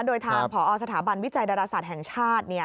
โดยทางผอสถาบันวิจัยดาราศาสตร์แห่งชาติ